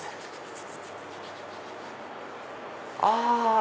あ！